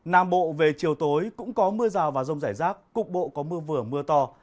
nam bộ về chiều tối cũng có mưa rào và rông rải rác cục bộ có mưa vừa mưa to